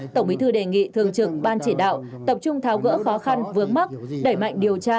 tổng bí thư đề nghị thường trực ban chỉ đạo tập trung tháo gỡ khó khăn vướng mắt đẩy mạnh điều tra